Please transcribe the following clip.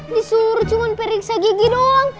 disuruh cuma periksa gigi doang